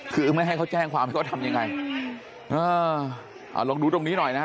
คือไม่ให้เขาแจ้งความเขาทำยังไงเออเอาลองดูตรงนี้หน่อยนะฮะ